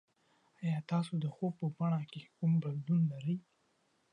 ایا تاسو د خوب په بڼه کې کوم بدلون لرئ؟